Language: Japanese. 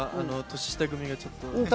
年下組がちょっと。